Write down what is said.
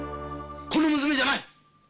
この娘じゃない！